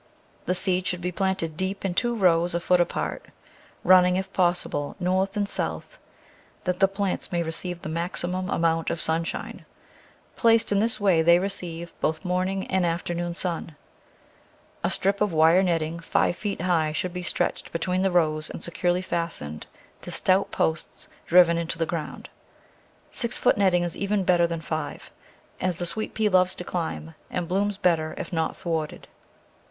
The seed should be planted deep in two rows a foot apart, running, if possible, north and south, that the plants may receive the maximum amount of sunshine. Placed in this way, they receive both morning and Digitized by Google Ten] annual* front g>ert> «3 afternoon sun. A strip of wire netting five feet high should be stretched between the rows and securely fastened to stout posts driven into the ground. Six foot netting is even better than five, as the Sweet pea loves to climb, and blooms better if not thwarted.